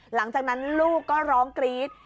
หลังจากนั้นลูกก็ร้องกรี๊ด